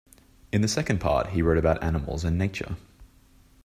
In the second part he wrote about animals and nature.